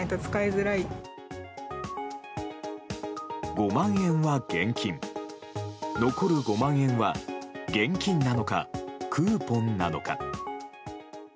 ５万円は現金残る５万円は現金なのかクーポンなのか。